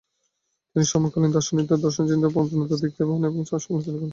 তিনি সমকালীন দার্শনিকদের দর্শন-চিন্তার অপূর্ণতা দেখতে পান এবং তাদের সমালোচনা করেন।